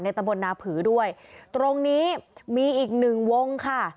ตะบนนาผือด้วยตรงนี้มีอีกหนึ่งวงค่ะ